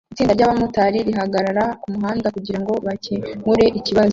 Itsinda ryabamotari rihagarara kumuhanda kugirango bakemure ikibazo